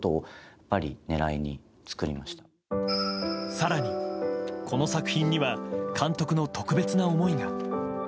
更に、この作品には監督の特別な思いが。